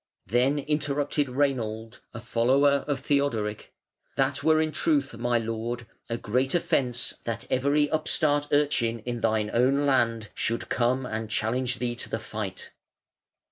Then interrupted Reinald, a follower of Theodoric: "That were in truth, my lord, a great offence that every upstart urchin in thine own land should come and challenge thee to the fight".